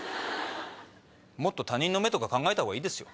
もっと他人の目とか考えたほうがいいですよ。